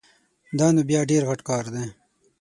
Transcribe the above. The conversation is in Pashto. دا نو بیا ډېر غټ کار ده